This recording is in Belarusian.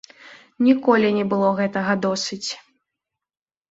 Ніколі не было гэтага досыць.